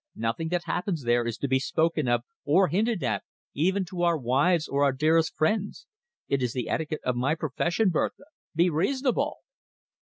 Nothing that happens there is to be spoken of or hinted at, even to our wives or our dearest friends. It is the etiquette of my profession, Bertha. Be reasonable."